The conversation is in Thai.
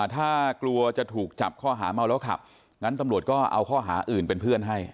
ถ้ากลัวจะถูกจับข้อหาเมาแล้วขับงั้นตำรวจก็เอาข้อหาอื่นเป็นเพื่อนให้